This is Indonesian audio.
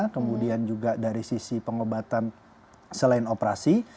kemudian juga dari sisi pengobatan selain operasi